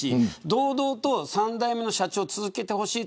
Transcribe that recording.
堂々と３代目の社長を続けてほしい。